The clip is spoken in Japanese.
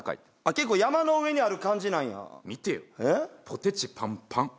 結構山の上にある感じなんや見てよポテチパンパン！